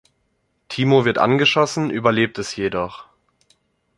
Timo wird angeschossen, überlebt es jedoch.